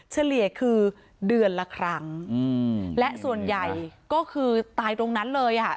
เฉลี่ยคือเดือนละครั้งอืมและส่วนใหญ่ก็คือตายตรงนั้นเลยอ่ะ